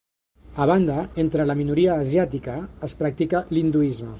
A banda, entre la minoria asiàtica, es practica l'hinduisme.